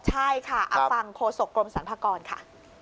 ใช่ค่ะฟังโฆษกรมสรรพากรค่ะ